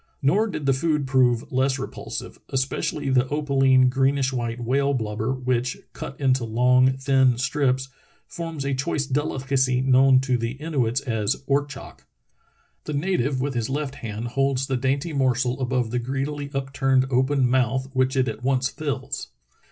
Nor did the food prove less repulsive, especially the opal ine, greenish white whale blubber, which, cut into long, thin strips, forms a choice delicacy known to the Inuits as ortchok. The native with his left hand holds the dainty morsel above the greedily upturned open mouth which it at once fills.